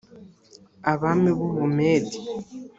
abami b u bumedi